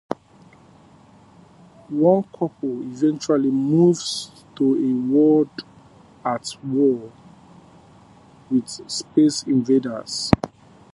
One couple eventually moves to a world at war with space invaders.